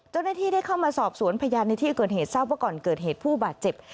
เจ้าหน้าที่ได้เข้ามาสอบสวนพยานในที่เกิดเหตุทราบว่าก่อนเกิดเหตุผู้บาดเจ็บ